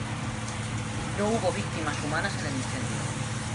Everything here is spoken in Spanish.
No hubo víctimas humanas en el incendio.